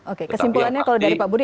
oke kesimpulannya kalau dari pak budi